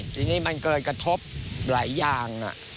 ทีนี้มันเกิดกระทบหลายอย่าง